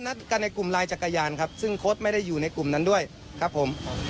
นัดกันในกลุ่มไลน์จักรยานครับซึ่งโค้ดไม่ได้อยู่ในกลุ่มนั้นด้วยครับผม